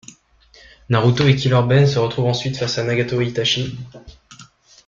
Naruto et Killer Bee se retrouvent ensuite face à Nagato et Itachi.